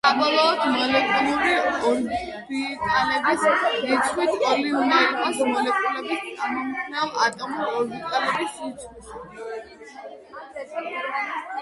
საბოლოოდ, მოლეკულური ორბიტალების რიცხვი ტოლი უნდა იყოს მოლეკულის წარმომქმნელი ატომური ორბიტალების რიცხვისა.